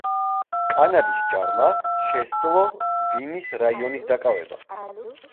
კანადის ჯარმა შესძლო ვიმის რაიონის დაკავება.